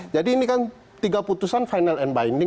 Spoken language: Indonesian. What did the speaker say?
jadi ini kan tiga putusan final and binding